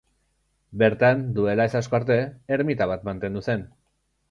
Bertan, duela ez asko arte, ermita bat mantendu zen.